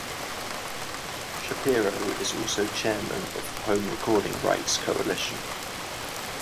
Shapiro is also chairman of the Home Recording Rights Coalition.